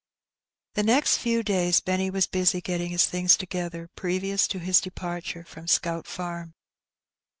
The next few days Benny was busy getting his things together, previous to his departure from Scout Farm.